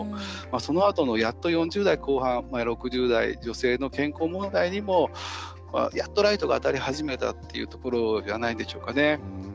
そのあとの、やっと４０代後半６０代女性の健康問題にもやっとライトが当たり始めたというところではないでしょうか。